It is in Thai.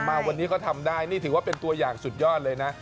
มาวันนี้ก็ทำได้นี่ถือว่าเป็นตัวอย่างสุดยอดเลยนะ